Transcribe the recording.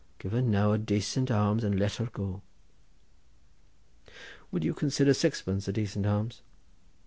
Give her now a dacent alms and let her go!" "Would you consider sixpence a decent alms?"